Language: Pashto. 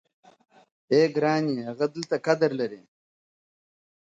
o يې گراني هـــغه دلــــتـــه قـــــــدر لـــــري.